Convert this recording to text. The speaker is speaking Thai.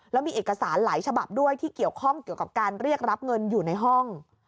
แล้วมีเอกสารหลายฉบับด้วยที่เกี่ยวข้องเกี่ยวกับการเรียกรับเงินอยู่ในห้อง